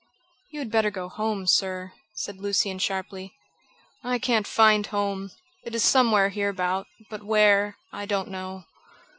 "You had better go home, sir," said Lucian sharply. "I can't find home. It is somewhere hereabout, but where, I don't know."